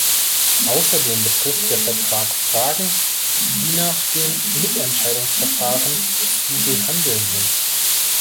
Außerdem betrifft der Vertrag Fragen, die nach dem Mitentscheidungsverfahren zu behandeln sind.